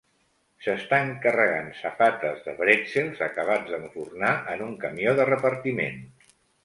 S'estan carregant safates de brètzels acabats d'enfornar en un camió de repartiment.